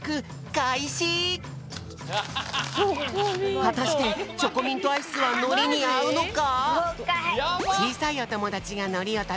はたしてチョコミントアイスはのりにあうのか！？